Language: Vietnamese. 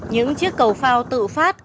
những chiếc cầu phao tự phát